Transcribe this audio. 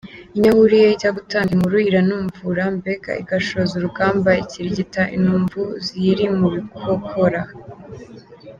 Inyahura iyo ijya gutanga inkuru Iranumvura, mbega igashoza urugamba ikirigita Inumvu ziyiri mu bikokora.